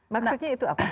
maksudnya itu apa